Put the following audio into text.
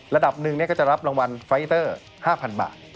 ระดับหนึ่งก็จะรับรางวัลไฟเตอร์๕๐๐๐บาท